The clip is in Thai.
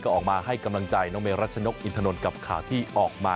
ก็ออกมาให้กำลังใจน้องเมรัชนกอินทนนท์กับข่าวที่ออกมา